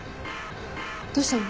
どうしたの？